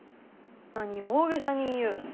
何を大げさに言いゆう。